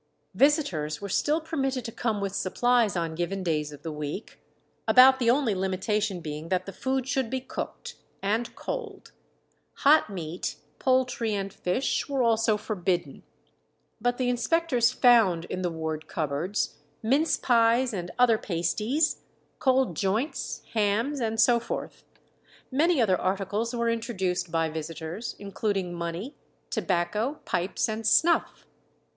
Visitors were still permitted to come with supplies on given days of the week, about the only limitation being that the food should be cooked, and cold; hot meat, poultry, and fish were also forbidden. But the inspectors found in the ward cupboards mince pies and other pasties, cold joints, hams, and so forth. Many other articles were introduced by visitors, including money, tobacco, pipes, and snuff.